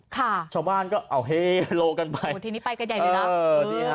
ค่ะชาวบ้านก็เอาเฮ้โลกันไปทีนี้ไปกันใหญ่ด้วยล่ะเออ